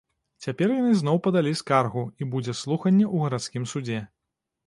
Цяпер яны зноў падалі скаргу, і будзе слуханне ў гарадскім судзе.